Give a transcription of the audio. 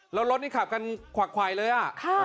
แล้วรถนี่ขับกันขวากควายเลยอ่ะ